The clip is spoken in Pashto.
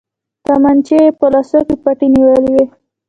تمانچې يې په لاسو کې پټې نيولې وې.